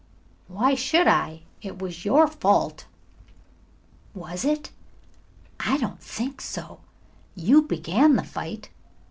"Why should I? It was your fault." "Was it? I don't think so. You began the fight.